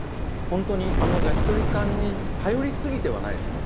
本当にあの焼き鳥缶に頼りすぎてはないですよね。